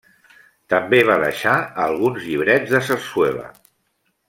També va deixar alguns llibrets de sarsuela.